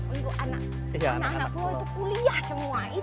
untuk anak anak pulau itu kuliah semua itu mimpiku